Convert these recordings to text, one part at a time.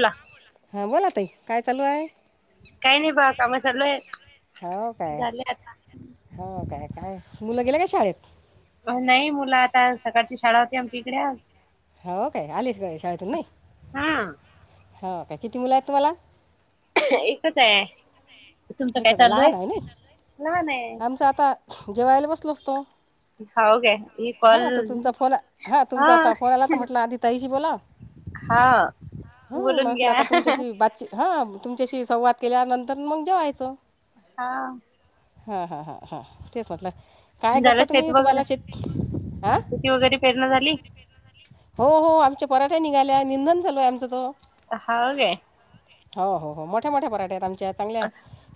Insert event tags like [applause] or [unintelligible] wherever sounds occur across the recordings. ला हा बोला ताई काय चालू आहे? काही नाही बाघा कामा चालू आहे, हो काय झाले आता. हो काय काय मुलं गेला काय शाळेत? नाही मुलं आता सकाळची शाळा होती आमची इकडे आज. हो काय आलीस [unintelligible] शाळेतून नाही, हा हो काय किती मुलं आहेत तुम्हाला? एकच आहे, तुमच काय एकच चालू आहे, लहान नाही लहान आहे. आमचं आता जेवायला बसलो असतो. हाव काय हे कॉल हा त - तुमचा फोन हा तुमचा आता फोन आला तर म्हटलं आधी ताईशी बोलाव. हा, बोलून घ्या. ची हा तुमच्याशी संवाद केल्यानंतर मग जेवायचं. हा. हा हा हा हा तेच म्हटल. काय झालं करता शेत तुम्ही वगैरे तुम्हाला शेती आ शेती वगैरे पेरण झाली. हो हो आमचे पराठ्या निघाल्या निंदधन चालू आहे आमचा त. हाव काय? हो हो हो मोठ्या मोठ्या पराठ्या आहेत आमच्या चांगल्या आहे,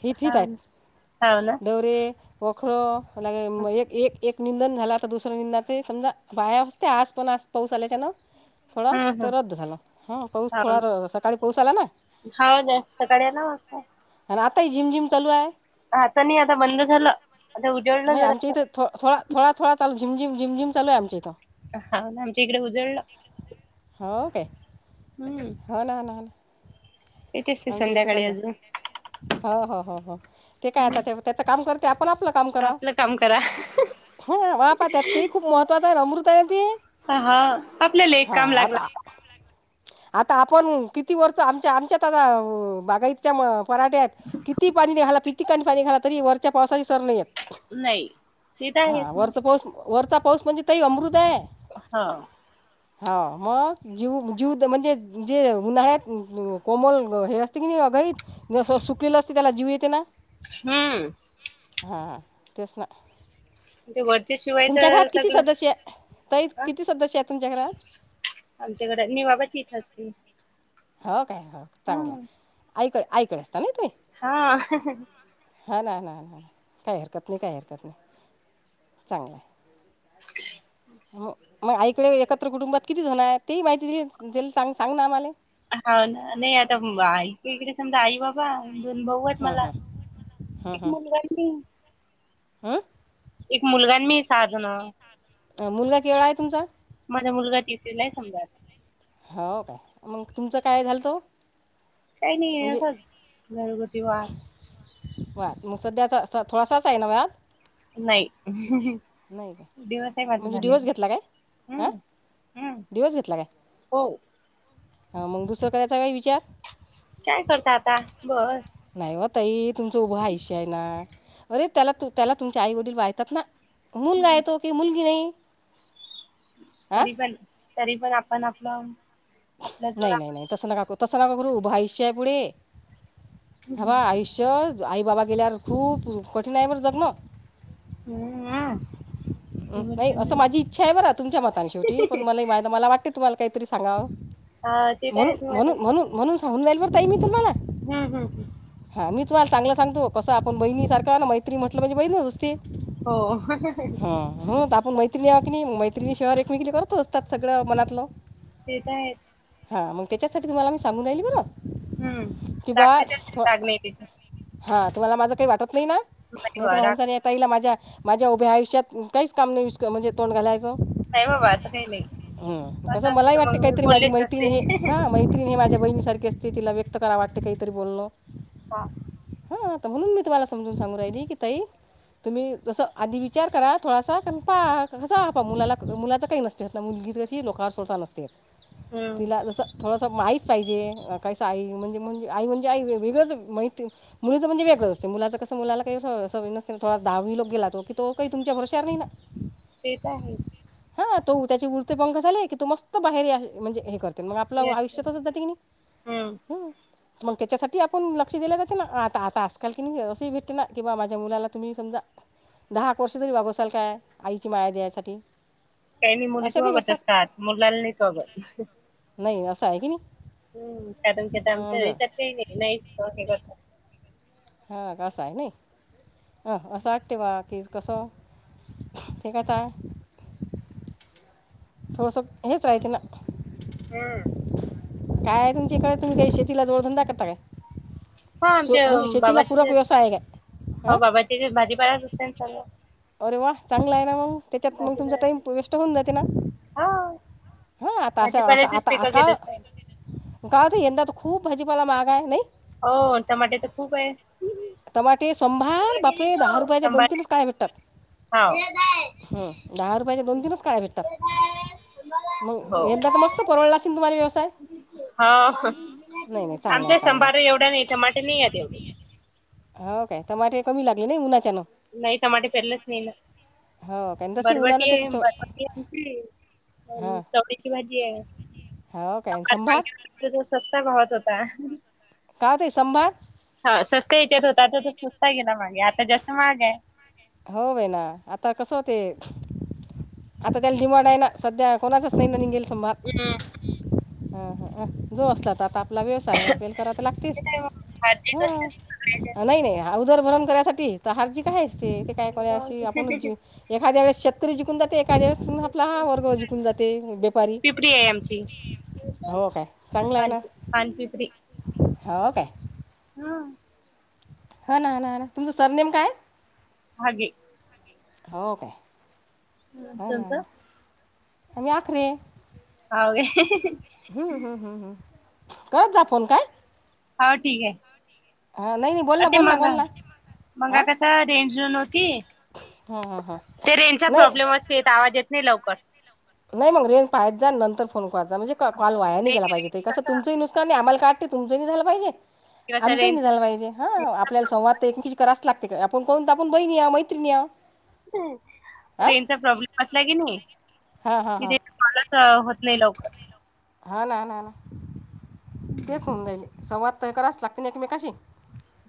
हिथीत हाव आहेत, ना हाव ना दोरे पोखर लागे म एक एक एक निंदन झालं तर दुसर निंदाचे समजा बाया असते आज पण आ पाऊस आल्याच्यानं थोडा हम्म हम्म तर रद्द झाला ह पाऊस थोडा सकाळी पाऊस आला ना हो द्या सकाळी या नऊ वाजता आणि आताही झिम झिम चालू आहे आता नाही आता बंद झालं आता उजवडलं नाही आमच्या जरा इथं थो थोडा थोडा थोडा चालू झिम झिम चालू आमच्या इथं हा ना आमच्या इकडे उजळलं हो काय हम्म हो ना हो ना हो ना येतेच ते आमच्या इथं संध्याकाळी चालू अजून आहे हो हो हो हो ते काय आता हम्म ते त्याच काम करते आपण आपलं काम करा आपलं काम करा त्यात ते ही खूप महत्त्वाचं आहे अमृत आहे ना हा आपल्याला एक काम ते लागला आता आपण किती वरचं आमच्या आमच्यात आता बागाय च्या म पराठे आहेत कितीही पाणी घाला किती पाणी घाला तरी वरच्या पावसाची सर नाही येत नाही ते तर आहेच हा मग वरचा पाऊस वरचा पाऊस म्हणजे ताई अमृत आहे हा हा मग जीव जीव म्हणजे जे उन्हाळ्यात कोमल हे असते की नाही घ सुकलेलं असते त्याला जीव येते ना हम्म हा तेच ना ते वरच्या शिवाय तुमच्या घरात तर किती सगळं सदस्य ताई किती सदस्य आहेत तुमच्या घरात? आमच्या घडात मी बाबाची इथं असती हो काय हो चांगलं हाय आईकड आईकडे असता ना ताई हा हा ना हा ना हा ना काही हरकत नाही काही हरकत नाही चांगलं आहे मग मग आईकडे एकत्र कुटुंबात किती जणं आहेत ते ही माहिती दिली सांग ना आम्हाले हा ना नाही आता आईच्या इकडे समजा आई बा बा दोन भाऊ आहेत हां मला एक मुलगा आणि मी हम एक मुलगा आणि मी सहाजणं मुलगा केवढा आहे तुमचा? माझा मुलगा तिसरीलाय समजा आता हो काय मग तुमचं काय झालंतो? काही नाही असच घरगुती वाद वा मग सध्या आता थोडासाच आहे ना वाद नाही नाही काय डिवोर्सही माझा म्हणजे डिवोर्स झालेलाय घेतला काय हां हम्म डिवोर्स घेतला काय? हो ह मग दुसरं करायचा काय विचार काय करता आता बस नाही ओ ताई तुमचं उभं आयुष्य आहे ना अरे त्याला त्याला तुमचे आई वडील वायतात ना मुलगा हम्म हाय तो की मुलगी नाही हां तरी पण तरी पण आपण आपलं आपला जोड नाही नाही आपण- नाही तस नका करू तस नका करू उभा आयुष्य आहे पुुढे हबघा आयुष्य आई बाबा गेल्यावर खूप कठीण आहे बरं जग्न. हम्म. जेवण नाय असं जेवण माझी इच्छा आहे बर तुमच्या मतन शेवटी पण म-मला वाटते तुम्हाला काय तरी सांगाव हा ते तर म्हणून आहेच मग आता म्हणून म्हणून म्हणून सांगून राहिली बरं ताई मी तुम्हाला. हम् हम् हम्. हा मी तुम्हाला चांगलं सांगतो कस आपण बहिणी सारखा न मैत्रीण म्हटलं म्हणजे बहीणच असते. हो. हो आपण आता मैत्रिणी आहो की नाय मैत्रिणी शिवाय एकमेकी करतो त्यात सगळं मनातलं. तेे त आहेच. हा मग त्याच्याच साठी तुम्हाला मी सांगून राहीली बरं. हम्म राग कशाचा राग नाही तिच. हा तुम्हाला माझं काही वाटत नाही ना? नाही नाय बा तरं राग मसान या ताईला माझ्या माझ्या उभ्या आयुष्यात काहीच काम नाय वीश-म्हणजे तोंड घालायचं. नाही बाबा असं काही नाही हम् कसं असं असतं मलाही तर वाटत मग मी काहीतरी माझी बोललेच मैत्रीण नसते हे हा मैत्रीण ही माझ्या बहिणीसारखी अस ते तिला व्यक्त कराव वाटते काहीतरी बोलणं. हा. हा आता म्हणून मी तुम्हाला समजून सांगू राहिली की ताई तुम्ही जसं आधी विचार करा थोडासा ता पा मुलाला मुलाच काही नसत ना मुलगी देते लोकारवर सोडता नसते. हम्म तीला जस थोडस माहीच पाहिजे कैसा आहे म्हणजे मग आई म्हणजे मग आई म्हणजे आई वेगळंच माहित मुलीचं म्हणजे वेगळं असते मुलाच कसं मुला काय स- सवय थोडा दहावीला गेला तो काय तुमच्या भ चार नाय ना. तेच आहे. हा तो त्याचे उरते पंख झाले की तू मस्त बाहेर म्हणजे हे कर म आपल ते असत आयुष्या तसच जाते की हम्म नाई? मग त्याच्यासाठी आपण लक्ष दिलं जाते ना आता आता आजकाल की नाई असंही भेटते ना की बा माझ्या मुला तुम्ही समजा दहाक कोश तरी बाबसाल काय आईची माया द्यायसाठी? काय नाय मुलीच अशातही वागवत बसतात असतात मुलाला नाहीत वागत. नाही असं हाय की नाई? हम्म कारण का आमच्या याच्यात काही नाही नाहीच हे करतात. हां का असंय नाई अ असं वाटते बा की कसं ते काय आता थोडस हेच राहते ना. हम्म. काय हाय तुमच्याहीकड तुम्ही काय शेतीला जोडधंदा करता काय? हा आमच्या म्हणजे शेतीला बाबाचे पूरक जे व्यवसाय आहे काय? हो हां बाबाची भाजीपारत असते ना चालू. अरे वा चांगला आहे ना मग त्याच्यात मग तुमचा टाइम भाजीपाल्याचे वेस्ट होऊन जाते ना? हा. हा आता आस असं भाजीपाल्याचीच आता पिकं आता घेत असतात. आता काय होत यंदा तर खूप भाजीपाला माहाग हाय नाई? हो तमाटे तर खूप हाय. टमाटे शंभार बापरे दहा रुपयाच्या दोन संभार तीनच काय भेटतात. हाव. हम् दहा रुपयाचे दोन तीनच काड्या भेटतात. मग हो. यंदा तर मस्त परवळला असन तुम्हाला व्यवसाय? हा नाही नाही चांगला आहे आमचा चांगला सभाड आहे एवढा नाय तबाटे नाही येत एवढे. हो काय टमाटे कमी लागले नाई उनाच्या हेन. नाही टमाटे पेरलच नाही ना. हो काय आणि तशी उन्हानं ते बरबटीया तो बरबटीची हां चवळीची भाजी आहे. हो काय आणि संभार [inaudible] सस्त्या भावात होता. काते संभा हा सस्त्या या्याच्यात होत आ सस्ता गेला मागे आता जास्त महाग आहे. हो बई ना आता कसं होते. आता त्याला डिमांड आहे ना. सध्या कोणाच नाही ना निघेल समभार. हम्. ह हा अ जो असला तर आता आपला व्यवसाय आपल्याला करा तर ते लागतेस. काय मग भाजी हो कसली सगळ्याच्या नाही नाही ह उदरभरण कराण्यासाठी तर हारजी काय आहे ते काय कोणाशी मग. आपण एखाद्या वेळेस शेतकरी जिंकून जाते जाते एखा्या वेळे आपला हा वर्ग चिकून जाते वेपारी पिपडी आहे आमची. हो काय? चांगलं आहे पान ना पानपिपरी हो काय? हा. ह ना ह ना ह ना तुमचं सरनेेम काय? हे. हो काय हं, हो ना तुमचं आणि मी आखरे. हा व्हय? हं, हं हं, हं. कत जा फोन काय? हा ठीक आहे. हां नाही नाही बोल अ ना ते बोल ना मगा बोल ना मंगा हां कसा रेंज रन होती. हां हां हां ते रेंज चा नाही प्रॉब्लेम असते आवाज येत नाही लवकर. नाही मग रेंज पाहत जा नंतर फोन करत जा म्हणजे कॉल वाया नाही केला पाहिजे. ते कस तुमचंही नुकसान आहे. आम्हाला का वाटते तुमचं नाही झालं पाहिजे किंवा असा आमचंही नाही रेंज झालं पाहिजे. हा आपल्याला संवाद एकमेकींशी कराच लागते. आपण काहून तर आपण बहिणी आहो मैत्रिणी आहो. हम्म. हां रेंज चा प्रॉब्लेम असला की नाही तिथे कॉलच होत नाही लवकर. हा ना ना ना तेच होऊन राहिलं. संवाद तया कराच लागतील एकमेकाशी.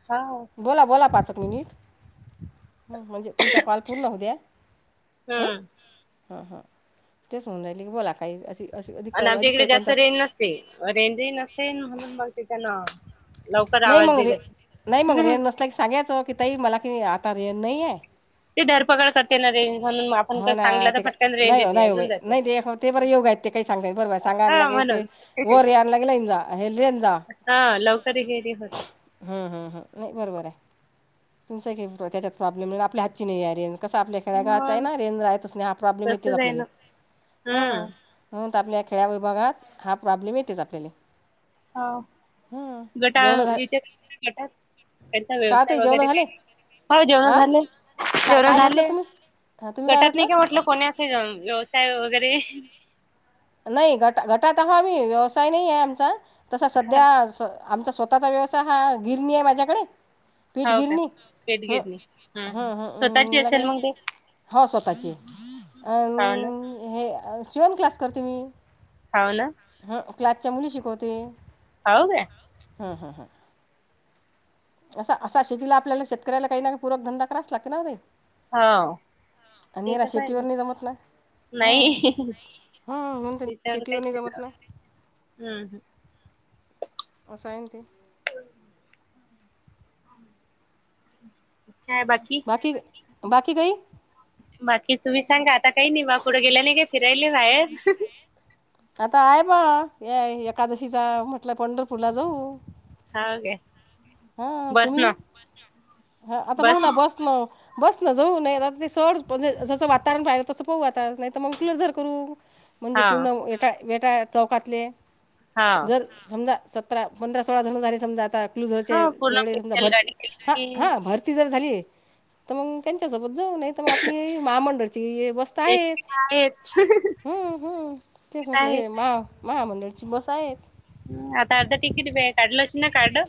हा. बोला बोला पाच एक मिनिट म्हणजे तुमचा कॉल पूर्ण होऊ द्या. हम्म हम्म तेच म्हणून राहिले बोला. काही अ अस अधिक आणि आमच्या अधिक इकडे काही जास्त कोणता रेंज नसते रेंजही नसते म्हणून बगते त्यांना लवकर नाही आवाज मग रे देत. नाही मग रेंज नसलं की सांगायचं की ताई मला की आता रेंज नाही आहे. ते धरपकड करते ना रेंज म्हणून आपण हो ना सांगितलं तर ते काय फटकन रेंज नाही हो देते नाही हो बाई अजून जाते. नाही ते हो ते बरं योग आहेत ते काही सांगता बरर सांगा हा आणलागे ते म्हणून वरे आणलागे लन जा हे लेन जा. हा लवकर हेरी होत. ह ह नाही बरोबर आहे तुमचा काही त्याच्यात प्रॉब्लेम नाही आपल्या हातची नाही आहे रेंज. कसं आपल्या खेड्या गावातच आहे मग ना रेंज राहतच नाही हा माहीतच तसच आहे आपल्याला ना हा. हम्म. म्हण आपल्या खेड्या विभागात हा प्रॉब्लेम येतेच आपल्याला. हा हं. गटा जेवणं झाले याचेत गटात त्यांचा का व्यवसाय ते जेवणं वगैरे झाले काही नाही. हो जेवण हां झाले काय जेवण काय म्हटलं झाले तुम्ही हां तुम्ही काय गटात म्हटलं नायं का ओ म कोणी असे व्यवसाय वगैरे नाही गट गटात हाव आम्ही व्यवसाय नाहीये आमचा तसा सध्या हो आमचा स्वतःचा व्यवसाय हा गिरणी ये माझ्याकडे पीठ का गिरणी पेट गिरणी हम् हम्म हम् स्वतःची हम्मम् असेल लगे मग ते हो स्वतःची ये हाव ना अनं हे शिवण क्लास करते मी. हाव न ह क्लासच्या मुली शिकवते. हाव कायं ह ह ह असं असा शेतीला आपल्याला शेतकऱ्याला काही ना पूरकधंदा करायच लागत ना ओ ताई हा आणि ते निरा त शेतीवर पाहिजे नाही नाही. हूं म्हणून त्यांनी शेतीवर नाही जमत ना. हूं हूं अस आय न ते काय बाकी की बाकी काई बाकी तुम्ही सांगा आता काही नई बा कुड गेल्या नायं का फिरायले बाहेर आता आयं ब ये एकादशीचा म्हटलं पंढरपूरला जाऊ. हाव काय हा तुम्ही बस नं ह आता पाहू ना बस नं बस न जाऊ नायं त आता ते [unintelligible] जसं वातावरण पाहिलं तसं पाहू आता नायं त मंग क्लूजर करू. म्हणजे हा पुन्हा वेटाळ वेटाळ्या चौकातले हा जर समजा सतरा पंधरा सोळा जण झाले समजा आता क्लूज चे हा पूर्ण एवढे समजा स्पेशल भरती गाडी ह केली हा भरती जर झाली. त मंग त्यांच्यासोबत जाऊ नायंत म आपली महामंडळची बस की कायेच आहेच हम्म हम्म तेच म्हटलं आहे. हे महा महामंडळीची बस आहेच. ह आता अर्धा टिकीट बे काढल अशील ना कार्ड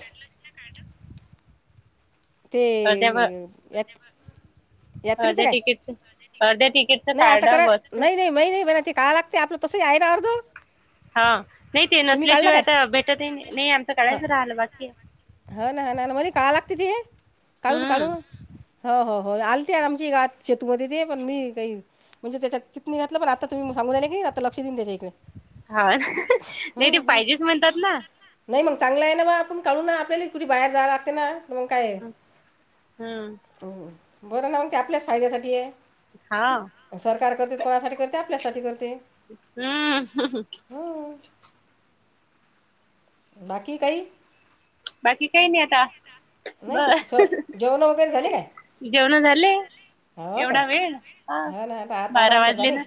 ते अर्ध्या व यात्रेचं अर्ध्या काय तिकीटच अर्ध्या तिकीटचं कार्ड बसच नाय नाय बणती काआ लागतयं आपलं तसं ही आहे ना अर्ध हा नाही ते तुम्ही काढला नसल्याशिवाय काय आता भेटत ही नाही आमच काडायच राहिलं बाकी ये. हा ना ह ना ना म्हणे का आ लागत ते काढू काढून हम्म हो हो हो आलते आमची गावात शेतूमध्ये ते पण मी कायं म्हणजे त्याच्यात चित् नाय घातलं पण आता तुम्ही सांगू राहिले की आता लक्ष देईन त्याच्याईकडे हा नाही ते पाहिजेच म्हणतात ना नाही मंग चांगलं आहे ना बा आपण काडू ना आपल्याला कुठे बाहेर जायला लागते ना. मंग काय ये हम्म बर ना मंग ते आपल्याच फायद्यासाठी ये. हा सरकार करते त कोणासाठी करते आपल्यासाठी करते. हम्मं हं. बाकी काही बाकी कायं नाही आता नाही बर स जेवणं वगैरे झाले काय जेवण झाले. हो काय एवढा वेळ, हा, हो ना आता आता बारा आराम करता वाजले नाही ना.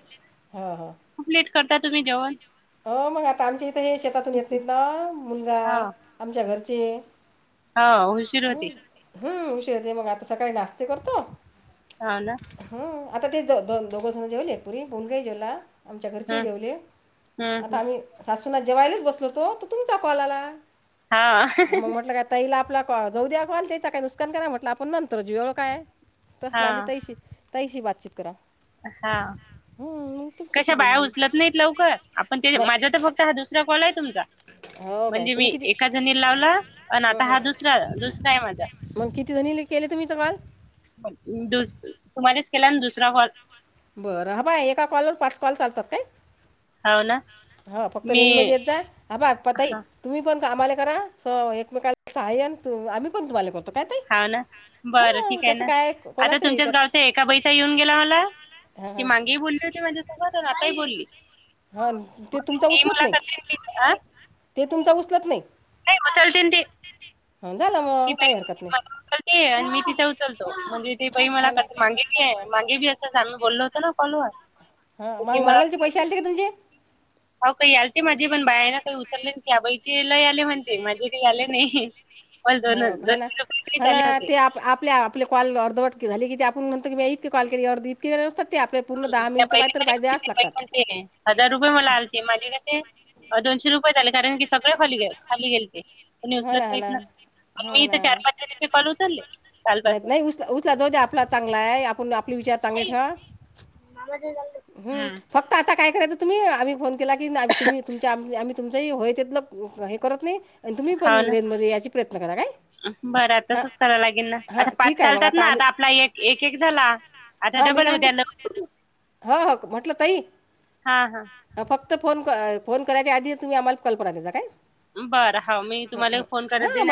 हो हो खूप लेट करता तुम्ही जेवण? हो मग आता आमच्या इथे हे शेतातून येतेत ना मुलगा हो आमच्या घरचे. हो उशीर हम्म, होते हम्म उशीर होते मग आता सकाळी नाश्ते करतो. हाव ना. हम्म आता ते द - द- दोघंजण जेवले एक पुरी मुलगा ही जेवला आमच्या घरचे ही हम्म जेवले. हम्म आता हम्म आम्ही सासू सुना जेवायलाच बसलो होतो तुमचा कॉल आला, हा मग म्हटलं का ताईला आपला कॉ जाऊ द्या कॉल त्याचा का नुकसान करा म्हटलं आपण नंतर जेऊया येवढं काय? तसला आणि हा तैशी, तैशी बातचित करा. हा, हं, मग तुमच्याशी कशा बाया बोलली उचलत नाहीत लवकर. आपण ते माझा नाही तर फक्त हा दुसरा कॉल आहे तुमचा. हो काय म्हणजे मी तुम्ही किती एका जणी लावला, अन हो आता हो हा दुसरा दुसरा आहे माझा. मग किती जणी केले तुम्ही [unintelligible] दुस, तुम्हालाच केलाना दुसरा कॉल. बरं हा बाय एका कॉलवर पाच कॉल चालतात काय? हाव ना. हो फक्त मी रेंजमध्ये येत, हा बा पताई हा तुम्ही पण काम्हाले करा स एकमेका सहाय्यन त आम्ही पण तुम्हाला कर हा ना, बरं ठीक आहे ना, काय आता कोणाचंही तुमच्याच गावच्या त्यात एका बइचा येऊन गेला मला. हां ती हां मागेही बोलली होती माझ्या सोबत आताही बोलली. हा न, मग ते तुमचा ती उचलत मला नाही. करते आणि मी- आ? ते तुमचा उचलत नाही. नाही उचलते ते अ झालं म. ती बाई माझा उचलते आणि मी तिचा उचलतो म्हणजे ती बाई मला हा ना करते मागे. [unintelligible] मागे बी असंच आम्ही बोललो होत न कॉल वर. हा मग मागालाचे पैसे आले का तुमचे? अ काही आलते माझे पण बायांना काही उचलेन त्या बाईची लय आले म्हणते माझे काही आले नाही. ब हो दोन दोन हो ना हो [unintelligible] आले ना होते. ते आप आपल्या आपले कॉल अर्धवटी झाली किती आपण म्हणतो इतके कॉल केली आर्ध [unintelligible] असतात ते आपले पूर्ण दहा मिनिट [unintelligible] द्यावच लागातात. तेले, हजार रुपये मला आलते माझे कसे अ दोनशे रुपये झाले कारण की सगळे खाली खाली गेल ते. हो ना हा ना, हा ना. चार पाच जणीचे कॉल उचलले नाहीत कालपासून. नाही उच- उचला जाऊदे आपला चांगला आहे आपुण आपले विचार चांगले ठेवा. माझे झाल हम, फक्त आता काय करायचं तुम्ही आम्ही फोन केला की तुम्ही तुमच्या आम्ही तुमच ही होय तीथलं हे करत नाही आणि तुम्ही हाव पण ना. रेनमध्ये यायचे प्रयत्न करा काय? बरं हां तसच कराव लागेल न हां आता पाच ठीक आहे मग चालतात ना आम्ही आता आपला एक एक एक झाला. आता हां मी डबल काय उद्याल म्हणते हो हो म्हटलं तई हा हा फक्त फोन क- फोन कराच्या आधीच तुम्ही आम्हाला कल्पना देत जा काय. बरं हाव मी तुम्हाला फोन हां करत देणार.